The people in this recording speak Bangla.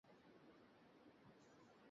সে বাকিটাও কেটে দিতে চায়।